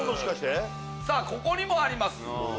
さぁここにもあります。